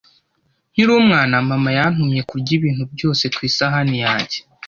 Nkiri umwana, mama yantumye kurya ibintu byose ku isahani yanjye.